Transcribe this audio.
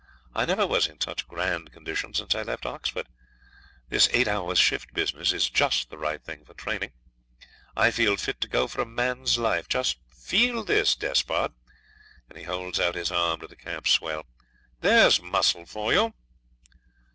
I never was in such grand condition since I left Oxford. This eight hours' shift business is just the right thing for training. I feel fit to go for a man's life. Just feel this, Despard,' and he holds out his arm to the camp swell. 'There's muscle for you!'